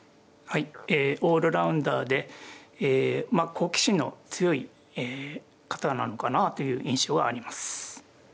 はいえオールラウンダーでまあ好奇心の強い方なのかなあという印象はあります。